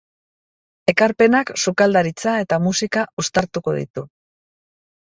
Ekarpenak sukaldaritza eta musika uztartuko ditu.